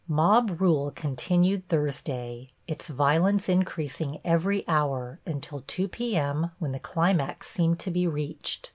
Mob rule continued Thursday, its violence increasing every hour, until 2 p.m., when the climax seemed to be reached.